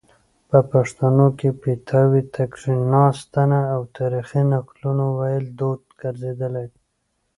په پښتانو کې پیتاوي ته کیناستنه او تاریخي نقلونو ویل دود ګرځیدلی